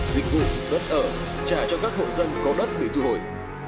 dịch vụ đất ở trả cho các hộ dân có đất bị thu hồi